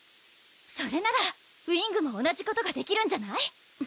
それならウィングも同じことができるんじゃない？